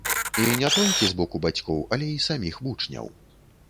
І не толькі з боку бацькоў, але і саміх вучняў.